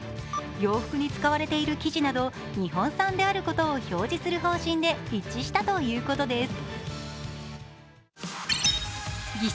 洋服に使われている生地など、日本産であることを表示する方針で一致したということです。